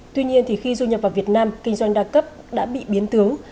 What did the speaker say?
tuy nhiên khi du nhập vào việt nam kinh doanh đa cấp đã bị biến tướng